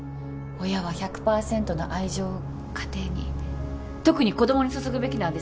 親は１００パーセントの愛情を家庭に特に子供に注ぐべきなんです。